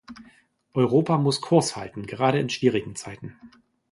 Europa muss Kurs halten, gerade in schwierigen Zeiten.